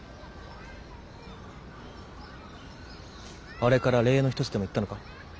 あれから礼の一つでも言ったのか？